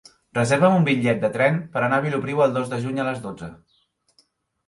Reserva'm un bitllet de tren per anar a Vilopriu el dos de juny a les dotze.